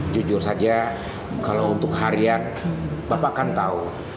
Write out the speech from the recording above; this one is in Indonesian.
jujur saja kalau untuk harian bapak kan tahu